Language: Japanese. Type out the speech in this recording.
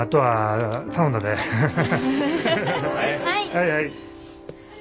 はいはい。